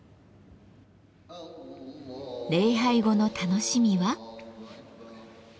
礼拝後の楽しみは？